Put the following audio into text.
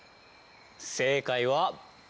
正解は。